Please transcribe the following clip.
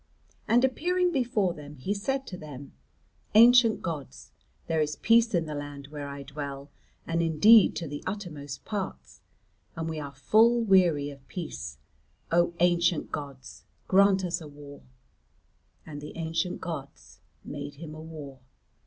And appearing before them he said to them, "Ancient gods; there is peace in the land where I dwell, and indeed to the uttermost parts, and we are full weary of peace. O ancient gods, grant us war!" And the ancient gods made him a war.